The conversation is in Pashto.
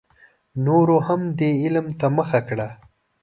نورو هم دې علم ته مخه کړه.